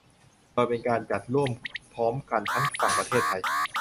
โดยเป็นการจัดร่วมพร้อมกันทั้งฝั่งประเทศไทย